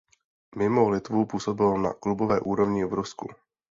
Mimo Litvu působil na klubové úrovni v Rusku.